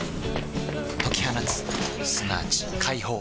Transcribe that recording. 解き放つすなわち解放